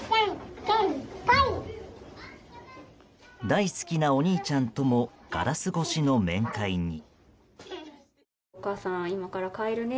大好きなお兄ちゃんともガラス越しの面会に。